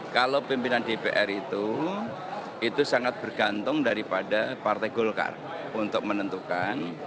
kalau pimpinan dpr itu itu sangat bergantung daripada partai golkar untuk menentukan